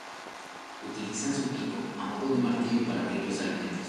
Utilizan su pico a modo de martillo para abrir los alimentos.